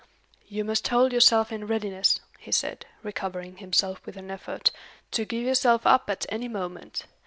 "You must hold yourself in readiness," he said, recovering himself with an effort, "to give yourself up at any moment.